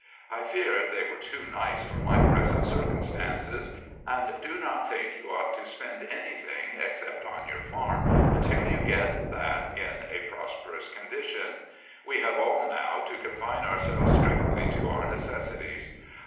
I fear they are too nice for my present circumstances. AN IDEAL FATHER 259 and do not think you ought to spend anything, except on your farm, until you get that in a prosperous condition. We have all, now, to confine ourselves strictly to our necessities.